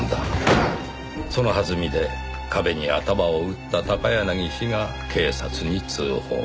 「その弾みで壁に頭を打った高柳氏が警察に通報」